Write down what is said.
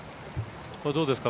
どうですか？